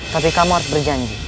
tapi kamu harus berjanji